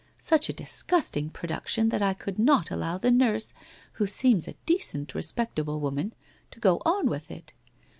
Such a disgusting production that I could not allow the nurse, who seems a decent, respectable woman, to go on with it!